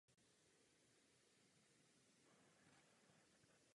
Pařížský hřbitov je římskokatolického zaměření.